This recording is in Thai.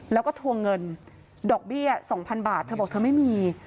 แล้วก็ทวงเงินดอกเบี้ย๒๐๐๐บาทเธอบอกเธอไม่มี